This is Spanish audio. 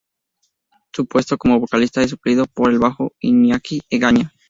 Su puesto como vocalista es suplido por el bajo Iñaki Egaña.